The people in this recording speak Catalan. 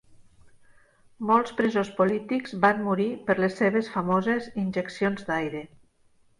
Molts presos polítics van morir per les seves famoses injeccions d'aire.